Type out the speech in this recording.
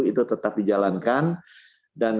itu tetap dijalankan dan